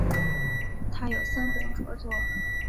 他有三本着作。